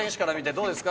どうですか？